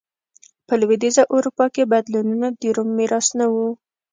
په لوېدیځه اروپا کې بدلونونه د روم میراث نه و.